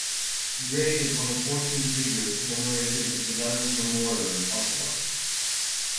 Gray is one of fourteen figures commemorated at the Valiants Memorial in Ottawa.